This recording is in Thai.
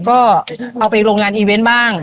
ก็เอาไปโรงงานอีเวนต์บ้าง